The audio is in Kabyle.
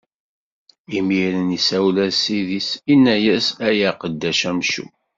Imiren isawel-as ssid-is, inna-as: Ay aqeddac amcum!